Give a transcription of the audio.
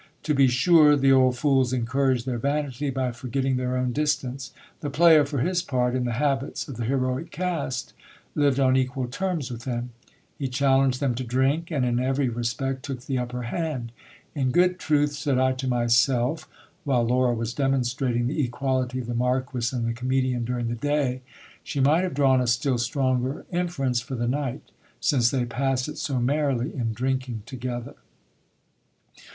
To be sure, the old fools encouraged their vanity by forgetting their own distance. The player, for his part, in the habits of the heroic cast, lived on equal terms with them ; he challenged them to drink, and in every respect took the upper hand. In good truth, said I to myself, while Laura was demonstrating the equality of the Marquis and the comedian during the day, she might have drawn a still stronger inference for the night, since they pass it so merrily in drinking together.